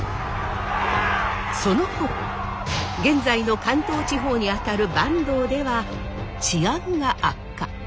そのころ現在の関東地方にあたる坂東では治安が悪化。